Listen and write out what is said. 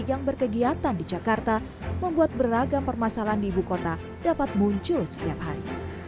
yang berkegiatan di jakarta membuat beragam permasalahan di ibu kota dapat muncul setiap hari